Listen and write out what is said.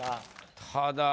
ただ。